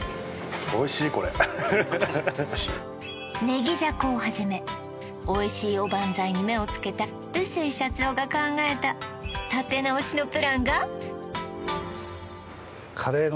ねぎじゃこをはじめおいしいおばんざいに目をつけた臼井社長が考えた立て直しのプランがカレー？